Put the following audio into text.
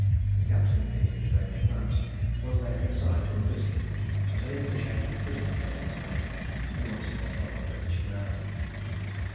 The captain being conveyed to France, was there consigned to a prison; but an interchange of prisoners taking place, he once more trod on British ground.